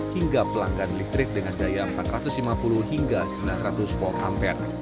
hingga pelanggan listrik dengan daya empat ratus lima puluh hingga sembilan ratus volt ampere